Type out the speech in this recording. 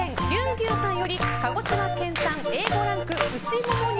牛さんより鹿児島県産Ａ５ランク内モモ肉